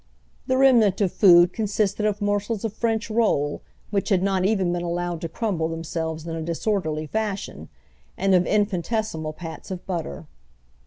The remnant of food consisted of morsels of French roll which had not even been allowed to crumble themselves in a disorderly fashion, and of infinitesimal pats of butter.